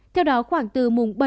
theo đó khoảng từ mùng bảy